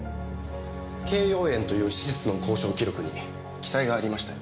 敬葉園という施設の交渉記録に記載がありました。